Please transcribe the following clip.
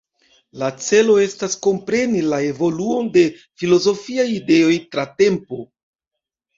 La celo estas kompreni la evoluon de filozofiaj ideoj tra tempo.